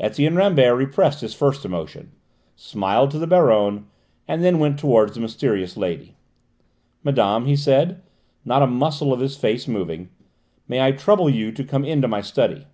Etienne Rambert repressed his first emotion, smiled to the Baronne, and then went towards the mysterious lady. "Madame," he said, not a muscle of his face moving, "may I trouble you to come into my study?"